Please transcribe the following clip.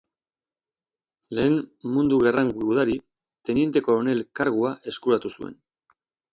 Lehen Mundu Gerran gudari, teniente-koronel kargua eskuratu zuen.